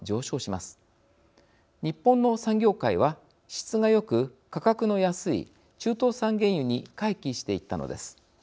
日本の産業界は質がよく価格の安い中東産原油に回帰していったのです。